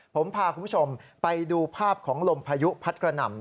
ผมพาคุณผู้ชมไปดูภาพของลมพายุพัดกระหน่ำ